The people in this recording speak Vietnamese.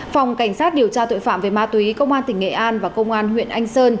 phòng cảnh sát điều tra tội phạm về ma túy công an tỉnh nghệ an và công an huyện anh sơn